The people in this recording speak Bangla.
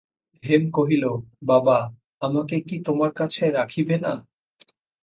হেম কহিল, বাবা, আমাকে কি তোমার কাছে রাখিবে না?